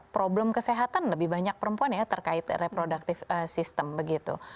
problem kesehatan lebih banyak perempuan ya terkait reproductive system begitu